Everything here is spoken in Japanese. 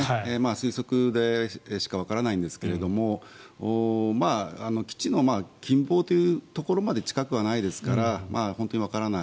推測でしかわからないんですが基地の近傍というところまでは近くないですから本当にわからない。